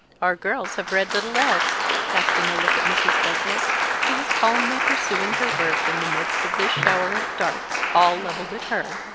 Our girls have read little else," casting a look at Mrs. Douglas, who was calmly pursuing her work in the midst of this shower of darts all levelled at her.